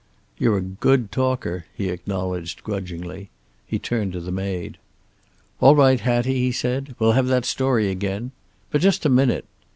"You're a good talker," he acknowledged grudgingly. He turned to the maid. "All right, Hattie," he said. "We'll have that story again. But just a minute."